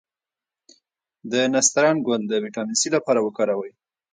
د نسترن ګل د ویټامین سي لپاره وکاروئ